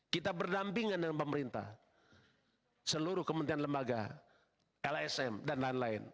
kita berdampingan dengan pemerintah seluruh kementerian lembaga lsm dan lain lain